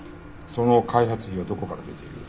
その開発費はどこから出ている？